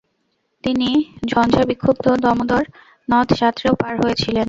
তিনি ঝঞ্ঝাবিক্ষুব্ধ দামোদর নদ সাঁতরেও পার হয়েছিলেন।